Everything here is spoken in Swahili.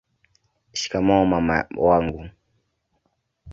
shikamoo mama wangu